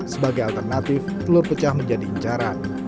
sebagai alternatif telur pecah menjadi incaran